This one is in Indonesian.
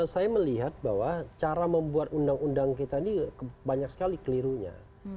saya melihat bahwa cara membuat undang undang kita ini banyak sekali kelirunya